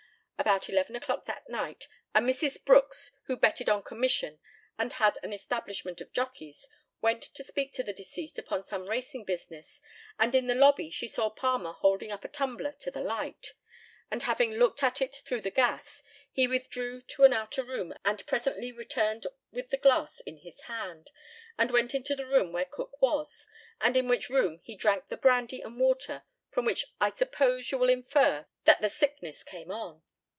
About 11 o'clock that night, a Mrs. Brooks, who betted on commission and had an establishment of jockeys, went to speak to the deceased upon some racing business, and in the lobby she saw Palmer holding up a tumbler to the light; and, having looked at it through the gas, he withdrew to an outer room and presently returned with the glass in his hand, and went into the room where Cook was, and in which room he drank the brandy and water from which I suppose you will infer that the sickness came on.